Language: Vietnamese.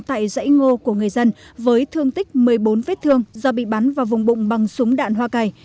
tại dãy ngô của người dân với thương tích một mươi bốn vết thương do bị bắn vào vùng bụng bằng súng đạn hoa cải